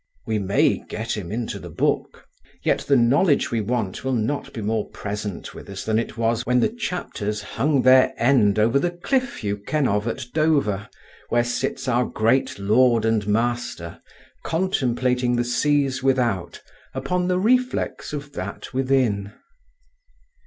We may get him into the Book; yet the knowledge we want will not be more present with us than it was when the chapters hung their end over the cliff you ken of at Dover, where sits our great lord and master contemplating the seas without upon the reflex of that within!